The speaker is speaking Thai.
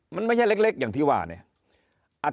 มันไม่ใช่เล็กอย่างที่ว่าเนี่ย